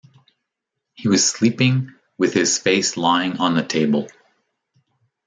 He was sleeping with his face lying on the table.